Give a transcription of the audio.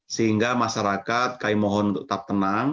sehingga masyarakat kami mohon untuk tetap tenang